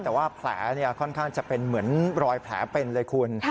แต่ว่าแผลค่อนข้างจะเป็นเหมือนรอยแผลเป็นเลยคุณ